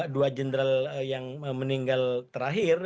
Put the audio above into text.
dua jenderal yang meninggal terakhir